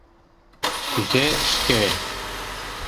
Кузе — шке!